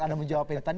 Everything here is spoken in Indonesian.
anda menjawab tadi